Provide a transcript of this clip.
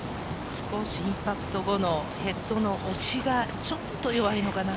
少しインパクト後のヘッドの押しがちょっと弱いのかな。